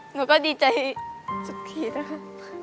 หนูก็ดีใจสุดขีดนะครับ